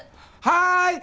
はい！